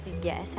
nah ini ada